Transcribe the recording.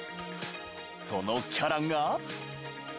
そのキャラが。